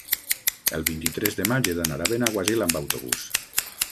El vint-i-tres de maig he d'anar a Benaguasil amb autobús.